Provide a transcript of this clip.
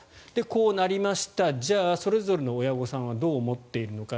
こうなりましたじゃあ、それぞれの親御さんはどう思っているのか。